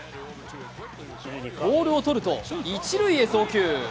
ボールをとると一塁へ送球。